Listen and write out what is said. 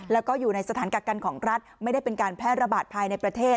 แล้วก็อยู่ในสถานกักกันของรัฐไม่ได้เป็นการแพร่ระบาดภายในประเทศ